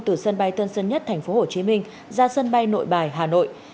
từ sân bay tân sơn nhất tp hcm ra sân bay nội bài hà nội